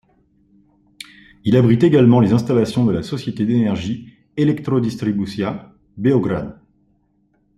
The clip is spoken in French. Il abrite également les installations de la société d'énergie Elektrodistribucija Beograd.